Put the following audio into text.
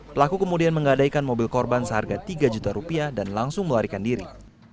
pelaku kemudian menggadaikan mobil korban seharga tiga juta rupiah dan langsung melarikan diri